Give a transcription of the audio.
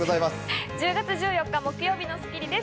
１０月１４日、木曜日の『スッキリ』です。